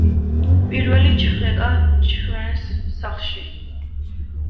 პირველი ჩხრეკა ჩვენს სახლში